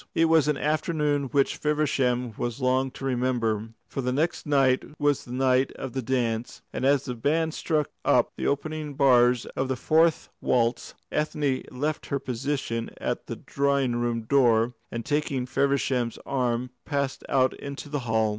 It was an afternoon which Feversham was long to remember; for the next night was the night of the dance, and as the band struck up the opening bars of the fourth waltz, Ethne left her position at the drawing room door, and taking Feversham's arm passed out into the hall.